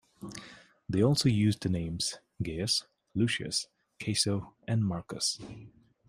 They also used the names "Gaius, Lucius, Caeso", and "Marcus".